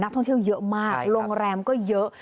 ท่องเที่ยวเยอะมากโรงแรมก็เยอะ